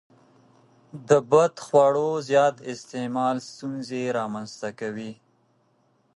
د بدخواړو زیات استعمال ستونزې رامنځته کوي.